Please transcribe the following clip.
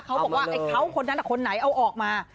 เขาบอกว่าไอ้เขาคนนั้นคนไหนเอาออกมา